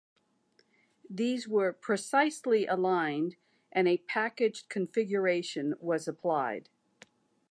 These were precisely aligned and a packaged configuration was applied.